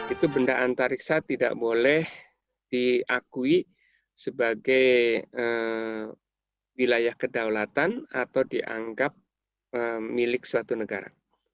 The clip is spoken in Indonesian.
itu benda antariksa tidak boleh diakui sebagai wilayah kedaulatan atau dianggap milik suatu negara